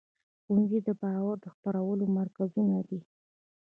ښوونځي د باور خپرولو مرکزونه دي.